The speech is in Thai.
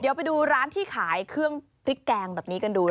เดี๋ยวไปดูร้านที่ขายเครื่องพริกแกงแบบนี้กันดู